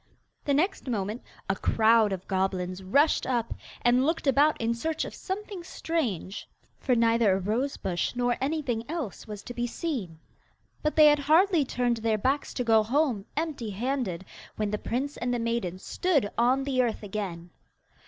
The next moment a crowd of goblins rushed up, and looked about in search of something strange, for neither a rose bush nor anything else was to be seen. But they had hardly turned their backs to go home empty handed when the prince and the maiden stood on the earth again.